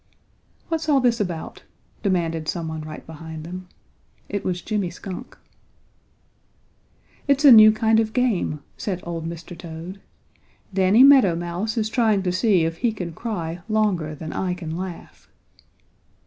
"What's all this about?" demanded some one right behind them. It was Jimmy Skunk. "It's a new kind of game," said old Mr. Toad. "Danny Meadow Mouse is trying to see if he can cry longer than I can laugh."